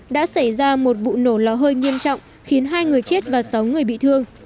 đã xảy ra một vụ nổ lò hơi nghiêm trọng khiến hai người chết và sáu người bị thương